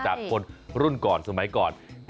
คนรุ่นก่อนสมัยก่อน